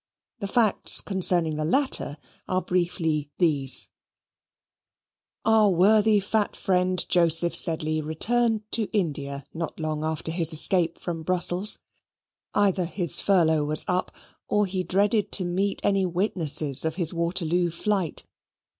The facts concerning the latter are briefly these: Our worthy fat friend Joseph Sedley returned to India not long after his escape from Brussels. Either his furlough was up, or he dreaded to meet any witnesses of his Waterloo flight.